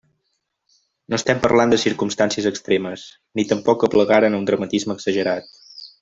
No estem parlant de circumstàncies extremes, ni tampoc que aplegaren a un dramatisme exagerat.